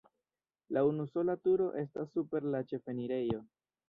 La unusola turo estas super la ĉefenirejo.